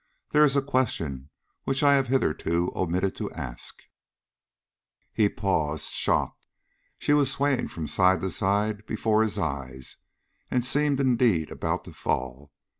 There is a question which I have hitherto omitted to ask " He paused, shocked; she was swaying from side to side before his eyes, and seemed indeed about to fall.